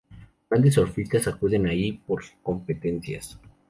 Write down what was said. Grandes surfistas acuden ahí por competencias.